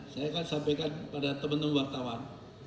saya akan sampaikan pada teman teman wartawan